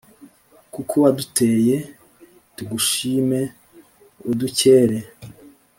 kuko wadutoye; tugushime, udukere,